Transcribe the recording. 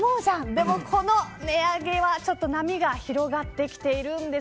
でもこの値上げ、波が広がってきているんです。